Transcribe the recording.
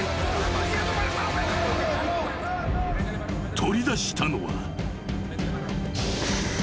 ［取り出したのは］